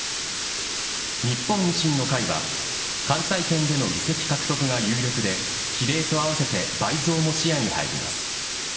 日本維新の会は関西圏での議席獲得が有力で比例と合わせて倍増も視野に入ります。